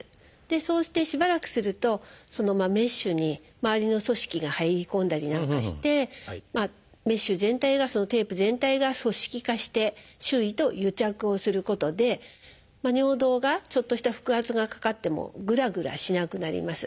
そうしてしばらくするとメッシュにまわりの組織が入り込んだりなんかしてメッシュ全体がテープ全体が組織化して周囲と癒着をすることで尿道がちょっとした腹圧がかかってもぐらぐらしなくなります。